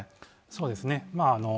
そうですね。